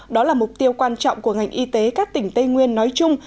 đó là mục tiêu quan trọng của ngành y tế các tỉnh tây nguyên nói chung